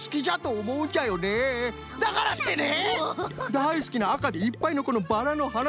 だいすきなあかでいっぱいのこのバラのはな